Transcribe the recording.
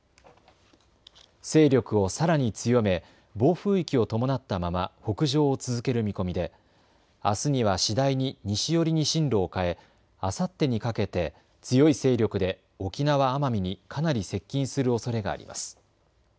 勢力をさらに強め暴風域を伴ったまま北上を続ける見込みであすには次第に西寄りに進路を変え、あさってにかけて強い勢力で沖縄・奄美にかなり接近するおそれがあります。